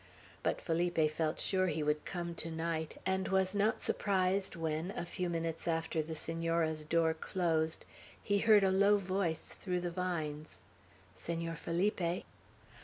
But Felipe felt sure he would come to night, and was not surprised when, a few minutes after the Senora's door closed, he heard a low voice through the vines, "Senor Felipe?"